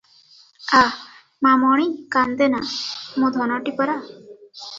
"ଆ, ମା ମଣି- କାନ୍ଦେନା- ମୋ ଧନଟିପରା ।